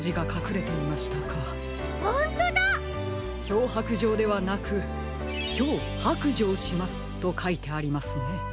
「きょうはくじょう」ではなく「きょうはくじょうします」とかいてありますね。